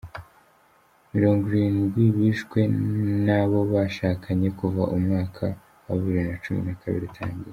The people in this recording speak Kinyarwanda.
Mirongwirindwi bishwe n’abo bashakanye kuva umwaka wa bibiri na cumi nakabiri utangiye